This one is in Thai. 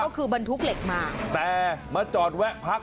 ก็คือบรรทุกเหล็กมาแต่มาจอดแวะพัก